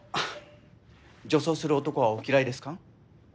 女装する男はお嫌いですか？